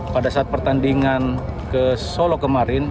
pada saat pertandingan ke solo kemarin